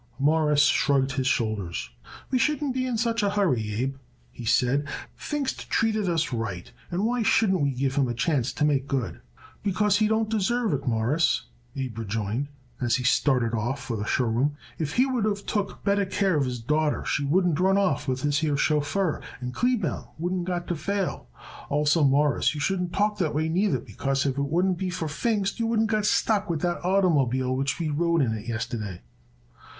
Morris shrugged his shoulders. "We shouldn't be in such a hurry, Abe," he said. "Pfingst treated us right, and why shouldn't we give him a chance to make good?" "Because he don't deserve it, Mawruss," Abe rejoined as he started off for the show room. "If he would of took better care of his daughter she wouldn't of run off with this here chauffeur, and Kleebaum wouldn't got to fail. Also, Mawruss, you shouldn't talk that way neither, because if it wouldn't be for Pfingst you wouldn't got stuck with that oitermobile which we rode in it yesterday."